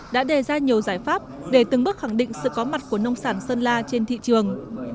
đã đề ra nhiều giải pháp để từng bước khẳng định sự có mặt của nông sản sơn la trên thị trường